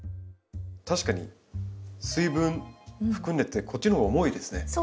確かに水分含んでてこっちの方が重いですね。